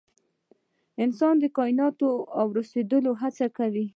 انسان د کایناتو د راوستو هڅه کوي.